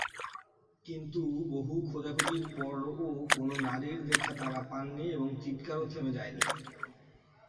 কিন্তু বহু খোঁজাখুঁজির পরও কোন নারীর দেখা তারা পায়নি এবং চিৎকারও থেমে যায়।